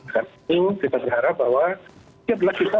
kita berharap bahwa kita